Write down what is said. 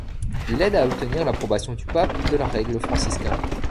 Il aide à obtenir l'approbation du pape de la règle franciscain.